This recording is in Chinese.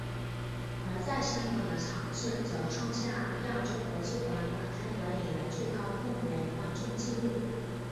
而在香港的场次则创下亚洲国际博览馆开馆以来最高动员观众记录。